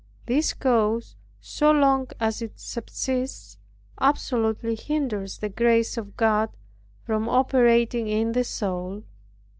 This cause, so long as it subsists, absolutely hinders the grace of God from operating in the soul.